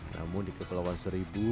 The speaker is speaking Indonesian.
namun di kepulauan seribu